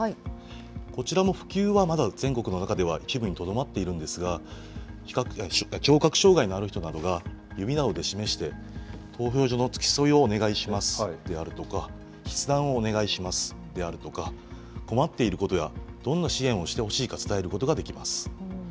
こちらも普及はまだ全国の中では一部にとどまっているんですが、聴覚障害のある人などが指などで示して、投票所の付き添いをお願いしますであるとか、筆談をお願いしますであるとか、困っていることや、どんな支援をしてほしいか伝えることができます。